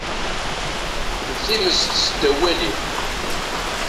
D times seddaw walim.